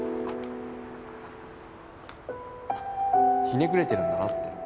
ひねくれてるんだなって。